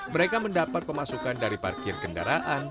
mereka mendapat pemasukan dari parkir kendaraan